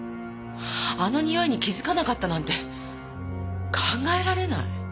あのにおいに気づかなかったなんて考えられない！